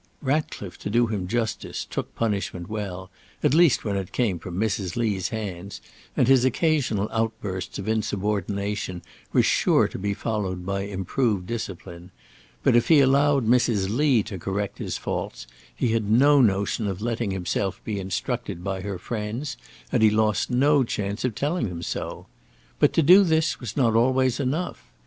Ratcliffe, to do him justice, took punishment well, at least when it came from Mrs. Lee's hands, and his occasional outbursts of insubordination were sure to be followed by improved discipline; but if he allowed Mrs. Lee to correct his faults, he had no notion of letting himself be instructed by her friends, and he lost no chance of telling them so. But to do this was not always enough.